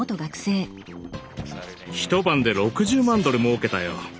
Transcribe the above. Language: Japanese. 一晩で６０万ドルもうけたよ。